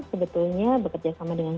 sebetulnya bekerjasama dengan